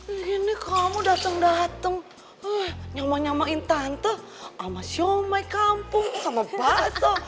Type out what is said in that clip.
eh gini kamu dateng dateng nyamain nyamain tante sama somaikampung sama baso